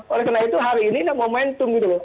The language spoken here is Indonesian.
oleh karena itu hari ini momentum gitu loh